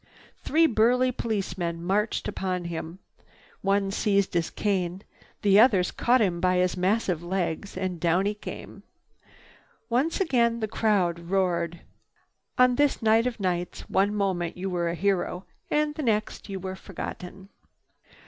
Three burly policemen marched upon him. One seized his cane, the others caught him by his massive legs, and down he came. Once again the crowd roared. On this night of nights, one moment you were a hero and the next you were forgotten.